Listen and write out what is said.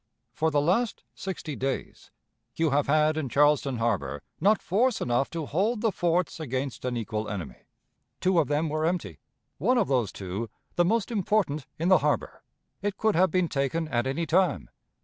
For the last sixty days, you have had in Charleston Harbor not force enough to hold the forts against an equal enemy. Two of them were empty; one of those two, the most important in the harbor. It could have been taken at any time.